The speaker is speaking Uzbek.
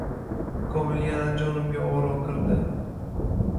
Komil yana jonimga oro kirdi